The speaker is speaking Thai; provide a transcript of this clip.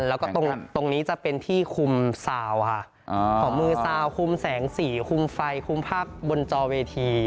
แล้วก็ตรงนี้จะเป็นที่คุมซาวค่ะของมือซาวคุมแสงสีคุมไฟคุมภาพบนจอเวที